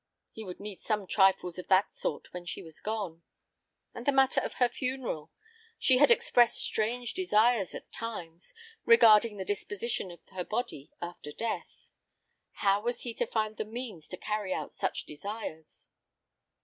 He would need some trifles of that sort when she was gone. And the matter of her funeral she had expressed strange desires, at times, regarding the disposition of her body after death. How was he to find means to carry out such desires?